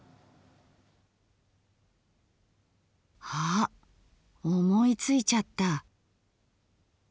あ思いついちゃった。